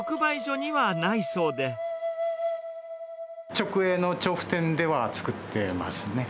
直営の調布店では作ってます